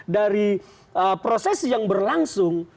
dari proses yang berlangsung